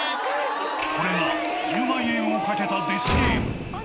これが１０万円をかけたデス